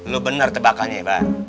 lu bener tebakannya pak